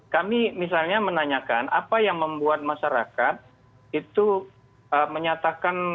kami misalnya menanyakan apa yang membuat masyarakat itu menyatakan